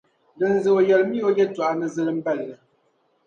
Din zuɣu yεlimi ya o yɛltɔɣa ni zilimballi.